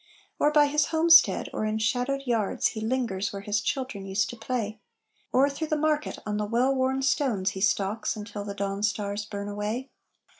Or by his homestead, or in shadowed yards He lingers where his children used to play; Or through the market, on the well worn stones He stalks until the dawn stars burn away.